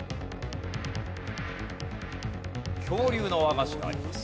恐竜の和菓子があります。